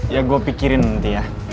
ya gue pikirin nanti ya